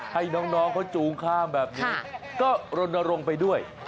ให้น้องเขาจูงข้ามแบบนี้ก็รณรงค์ไปด้วย